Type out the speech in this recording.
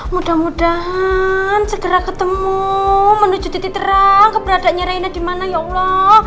mudah mudahan segera ketemu menuju titik terang keberadaknya rena di mana ya allah